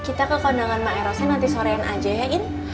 kita ke kondangan maerosen nanti sorean aja ya in